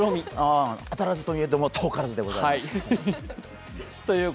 当たらずといえども遠からずです。